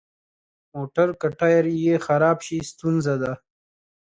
موټر که ټایر یې خراب شي، ستونزه ده.